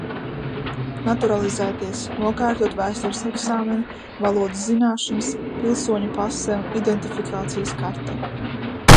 Naturalizēties - nokārtot vēstures eksāmenu, valodas zināšanas, pilsoņa pase un identifikācijas karte.